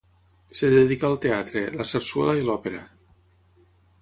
Es dedicà al teatre, la sarsuela i l'òpera.